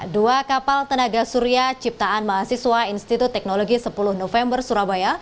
dua kapal tenaga surya ciptaan mahasiswa institut teknologi sepuluh november surabaya